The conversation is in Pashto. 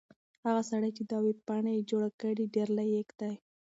هغه سړی چې دا ویبپاڼه یې جوړه کړې ډېر لایق دی.